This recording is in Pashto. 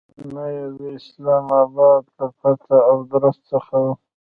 نه یې د اسلام آباد له پته او آدرس څخه کوو.